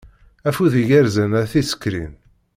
Afud igerrzen a tisekrin.